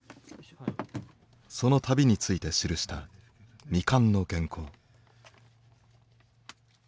その旅について記した未完の原稿。